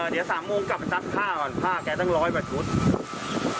เดี๋ยว๓โมงกลับไปซักผ้าก่อนผ้าแกตั้งร้อยกว่าชุด